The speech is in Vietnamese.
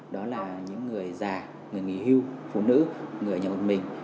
đó là những người già người nghỉ hưu phụ nữ người nhà một mình